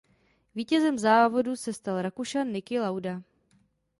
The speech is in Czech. Vítězem závodu se stal Rakušan Niki Lauda.